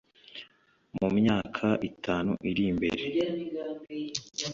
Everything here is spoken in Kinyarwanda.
mu myaka itanu iri imbere